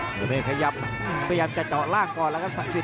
ประเภทขยับพยายามจะเจาะล่างก่อนแล้วครับศักดิ์สิท